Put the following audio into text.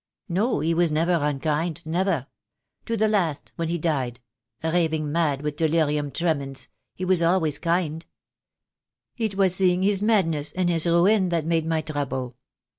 "No, he was never unkind, never. To the last, when he died raving mad with delirium tremens, he was always IQ2 THE DAY WILL COME. kind. It was seeing his madness and his ruin that made my trouble.